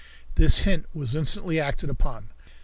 This hint was instantly acted upon.